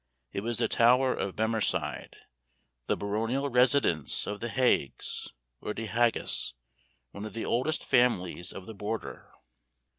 It was the tower of Bemerside, the baronial residence of the Haigs, or De Hagas, one of the oldest families of the border.